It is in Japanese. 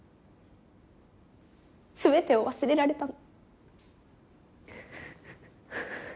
全てを忘れられたの。